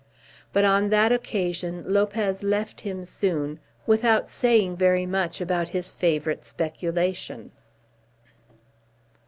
But on that occasion Lopez left him soon, without saying very much about his favourite speculation.